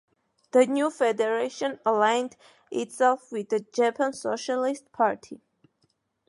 The new federation aligned itself with the Japan Socialist Party.